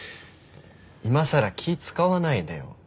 いまさら気使わないでよ。